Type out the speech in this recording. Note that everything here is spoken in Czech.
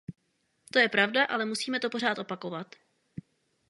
To je pravda, ale nemusíme to pořád opakovat.